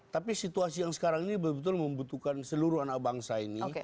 tapi situasi yang sekarang ini betul betul membutuhkan seluruh anak bangsa ini